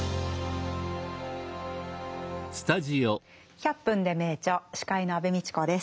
「１００分ｄｅ名著」司会の安部みちこです。